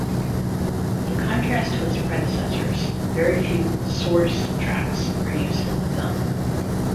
In contrast to its predecessors, very few "source" tracks are used in the film.